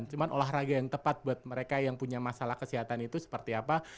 cuma olahraga yang tepat buat mereka yang punya masalah kesehatan itu seperti apa